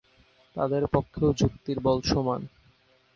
তাঁদের পক্ষেও যুক্তির বল সমান।